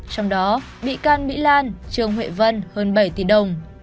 trong đó bị can mỹ lan trương huệ vân hơn bảy tỷ đồng